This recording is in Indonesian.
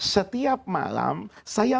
setiap malam saya